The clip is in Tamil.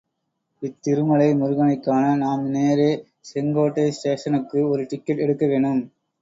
இத்திருமலை முருகனைக்காண நாம் நேரே செங்கோட்டை ஸ்டேஷனுக்கு ஒரு டிக்கட் எடுக்க வேணும்.